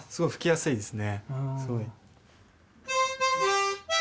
すごい。